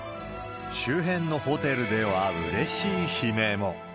周辺のホテルではうれしい悲鳴も。